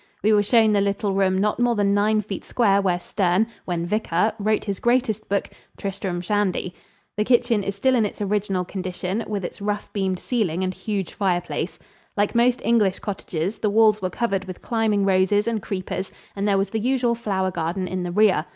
We were shown the little room not more than nine feet square where Sterne, when vicar, wrote his greatest book, "Tristram Shandy." The kitchen is still in its original condition, with its rough beamed ceiling and huge fireplace. Like most English cottages, the walls were covered with climbing roses and creepers and there was the usual flower garden in the rear.